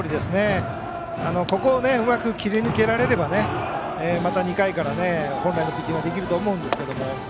ここをうまく切り抜けられればまた２回から本来のピッチングができると思うんですけども。